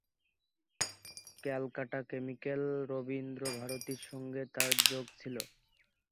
Calcutta chemical ও রবীন্দ্রভারতী সঙ্গে তার যোগ ছিল।